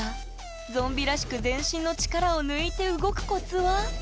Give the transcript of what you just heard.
ゾンビらしく全身の力を抜いて動くコツは？